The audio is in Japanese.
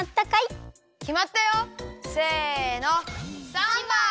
３ばん！